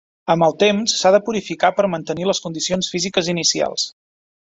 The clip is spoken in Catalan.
Amb el temps s'ha de purificar per mantenir les condicions físiques inicials.